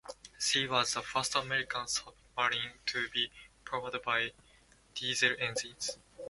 She was the first American submarine to be powered by diesel engines.